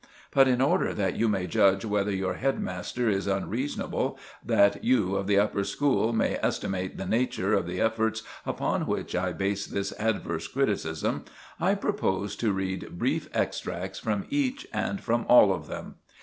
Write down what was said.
But in order that you may judge whether your head master is unreasonable, that you of the upper school may estimate the nature of the efforts upon which I base this adverse criticism, I propose to read brief extracts from each and from all of them.